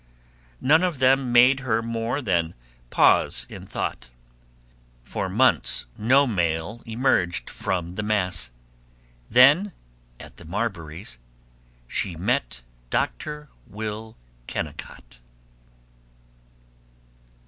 None of them made her more than pause in thought. For months no male emerged from the mass. Then, at the Marburys', she met Dr. Will Kennicott.